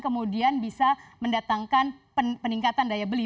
kemudian bisa mendatangkan peningkatan daya beli